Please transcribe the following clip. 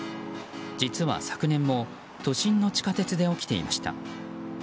実は、昨年も都心の地下鉄で起きていました。